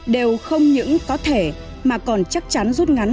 đều không những có thể mà còn chắc chắn rút ngắn